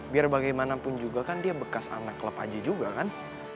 biar bagaimanapun juga kan dia bekas anak klub aji juga kan